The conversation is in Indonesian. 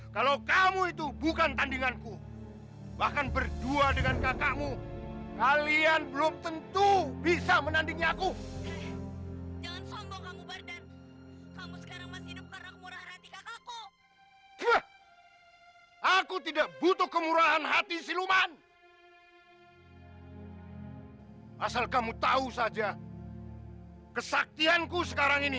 tapi itu berarti gantungan kunci itu akan hilang selamanya